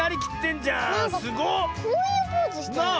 こういうポーズしてない？